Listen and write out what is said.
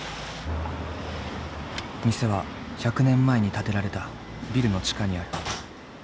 店は１００年前に建てられたビルの地下にある。